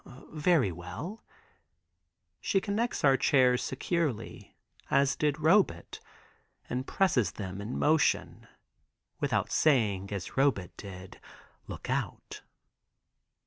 "Very well." She connects our chairs securely, as did Robet, and presses them to motion, without saying as did Robet, "look out."